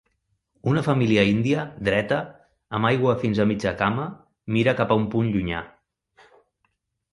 Una família índia, dreta, amb aigua fins a mitja cama mira cap a un punt llunyà.